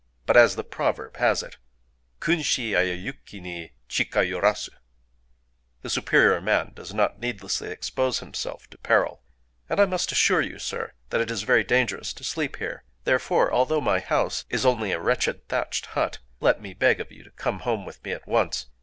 But, as the proverb has it, Kunshi ayayuki ni chikayorazu ['The superior man does not needlessly expose himself to peril']; and I must assure you, Sir, that it is very dangerous to sleep here. Therefore, although my house is only a wretched thatched hut, let me beg of you to come home with me at once.